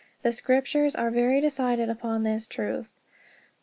The Scriptures are very decided upon this truth.